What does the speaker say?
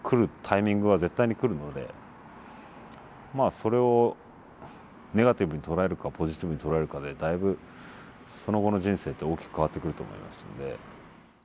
それをネガティブに捉えるかポジティブに捉えるかでだいぶその後の人生って大きく変わってくると思いますので。